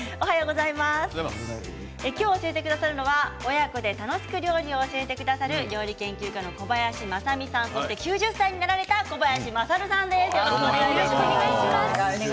今日、教えてくださるのは親子で楽しく料理を教えてくださる料理研究家の小林まさみさんそして９０歳なられた小林まさるさんです。